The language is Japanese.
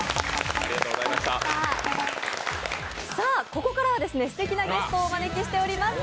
ここからはすてきなゲストをお招きしております。